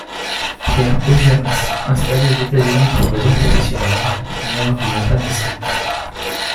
Pierre Augiéras, installé aux États-Unis pour raisons professionnelles, meurt d'une appendicite.